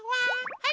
はい。